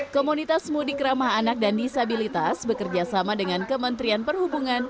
komunitas mudik ramah anak dan disabilitas bekerjasama dengan kementerian perhubungan